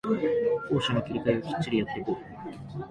攻守の切り替えをきっちりやってこ